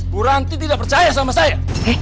buranti tidak percaya sama saya